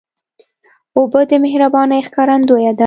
اوبه د مهربانۍ ښکارندویي ده.